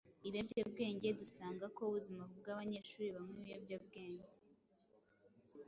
ibiyobyabwenge, dusanga ko ubuzima bw’abanyeshuri banywa ibiyobyabwenge